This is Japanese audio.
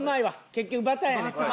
結局バターやねんマジで。